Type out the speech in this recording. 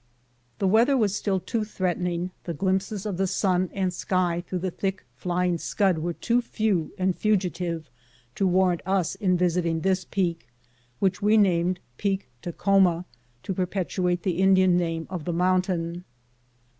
The weather was still too threatening, the glimpses of the sun and sky through the thick, flying scud were too few and fugitive, to warrant us in visiting this peak, which we named Peak Takhoma, to perpetu ate the Indian name of the mountain.